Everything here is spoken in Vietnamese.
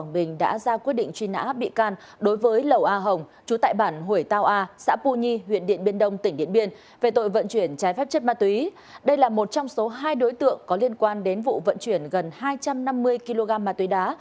về tội vận chuyển trái phép chất ma túy đây là một trong số hai đối tượng có liên quan đến vụ vận chuyển gần hai trăm năm mươi kg ma túy đá